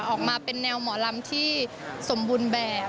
ออกมาเป็นแนวหมอลำที่สมบูรณ์แบบ